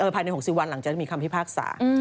ภายใน๖๐วันหลังจากมีคำพิพากษา